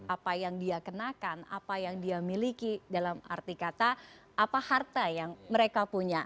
apa yang dia kenakan apa yang dia miliki dalam arti kata apa harta yang mereka punya